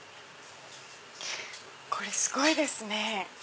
これすごいですね